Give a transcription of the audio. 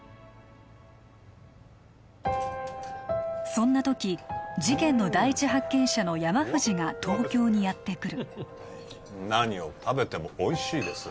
そんな時事件の第一発見者の山藤が東京にやってくる何を食べてもおいしいです